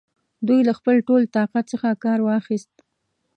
دوی له خپل ټول طاقت څخه کار واخیست.